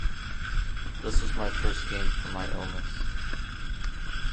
This was my first gain from my illness.